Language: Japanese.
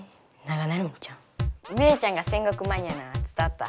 メイちゃんが戦国マニアなんはつたわった。